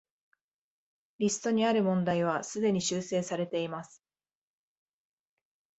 リストにある問題はすでに修正されています